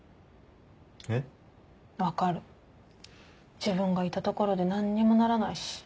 自分がいたところで何にもならないし。